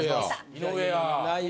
井上や。